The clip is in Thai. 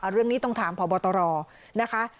เรื่องนี้ต้องถามพบตรนะคะ